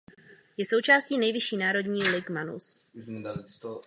Je součástí nejvyšší národní Ligue Magnus.